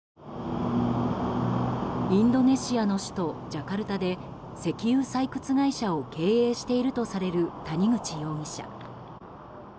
インドネシアの首都ジャカルタで石油採掘会社を経営しているとされる谷口容疑者。